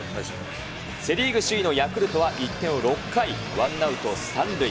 セ・リーグ首位のヤクルトは、１点を追う６回、１アウト３塁。